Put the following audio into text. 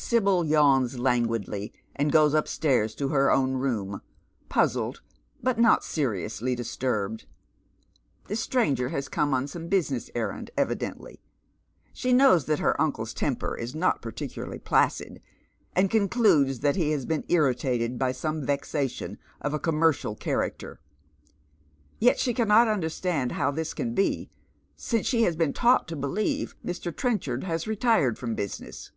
Sibyl yawns languidly, and goes upstairs to her own room, puzzled, but not seriously disturbed. This stranger has come on some business en and evidently. She knows that her uncle'a temper is not particularly placid, and concludes that he has been irritated by some vexation of a commercial character. Yet she cannot understand how this can be, since she has been taught to believe that Mr. Trenchard has retired from business.